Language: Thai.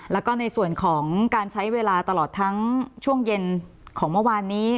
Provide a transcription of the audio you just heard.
แล้วก็ในส่วนของการใช้เวลาตลอดทั้งช่วงเย็นของเมื่อวานนี้